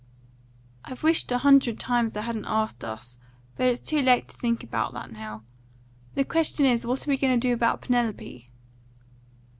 "I've wished a hundred times they hadn't asked us; but it's too late to think about that now. The question is, what are we going to do about Penelope?"